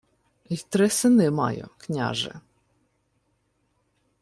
— Й три сини маю, княже...